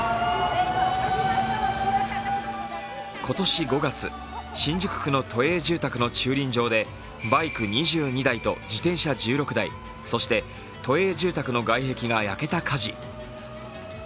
今年５月、新宿区の都営住宅の駐輪場でバイク２２台と自転車１６台、そして都営住宅の外壁が焼けた火事。